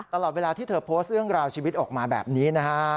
ตลอดเวลาที่เธอโพสต์เรื่องราวชีวิตออกมาแบบนี้นะฮะ